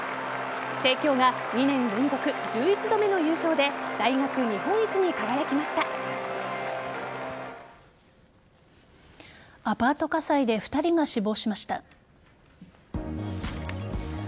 帝京が２年連続１１度目の優勝で大学日本一に輝きました。